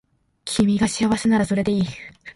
君が幸せならそれでいい